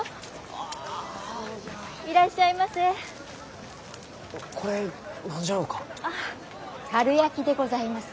あかるやきでございます。